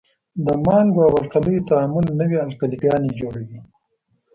د مالګو او القلیو تعامل نوې القلي ګانې جوړوي.